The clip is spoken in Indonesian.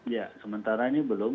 ya sementara ini belum